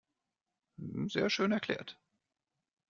Sehr schön erklärt.